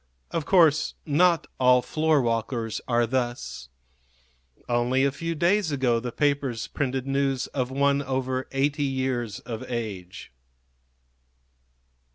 Of course not all floorwalkers are thus. Only a few days ago the papers printed news of one over eighty years of age.